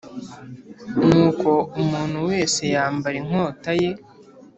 Nuko umuntu wese yambara inkota ye